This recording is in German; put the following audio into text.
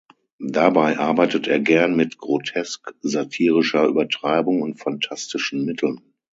Dabei arbeitet er gern mit grotesk-satirischer Übertreibung und phantastischen Mitteln.